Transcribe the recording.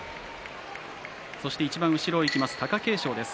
いちばん後ろを行きます貴景勝です。